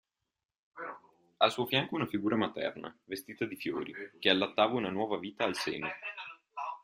Al suo fianco una figura materna, vestita di fiori, che allattava una nuova vita al seno.